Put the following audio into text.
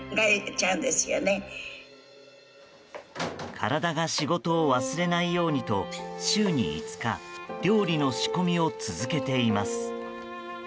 体が仕事を忘れないようにと週に５日料理の仕込みを続けています。